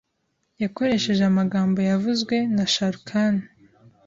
yakoresheje amagambo yavuzwe na ShahRukh Khan